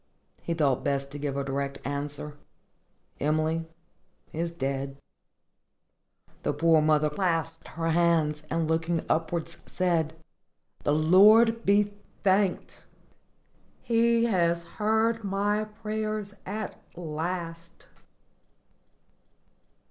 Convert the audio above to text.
He thought best to give a direct answer,—"Emily is dead." The poor mother clasped her hands, and, looking upwards, said, "The Lord be thanked! He has heard my prayers at last!"